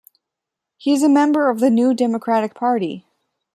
He is a member of the New Democratic Party.